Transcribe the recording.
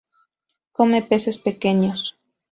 Come peces pequeños.